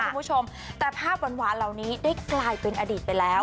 คุณผู้ชมแต่ภาพหวานเหล่านี้ได้กลายเป็นอดีตไปแล้ว